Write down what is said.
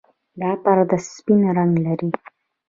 دا پرده سپین رنګ لري.